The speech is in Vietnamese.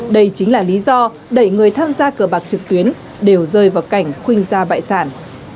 đây chính là lý do đẩy người tham gia cờ bạc trực tuyến đều rơi vào cảnh khuynh ra bại sản